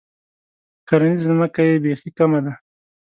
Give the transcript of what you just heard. کرنیزه ځمکه یې بیخي کمه ده.